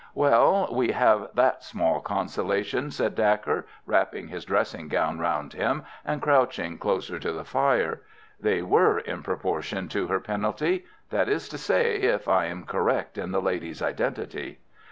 "Well, we have that small consolation," said Dacre, wrapping his dressing gown round him and crouching closer to the fire. "They were in proportion to her penalty. That is to say, if I am correct in the lady's identity."